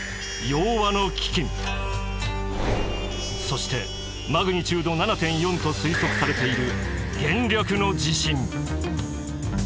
そしてマグニチュード７．４と推測されている元暦の地震。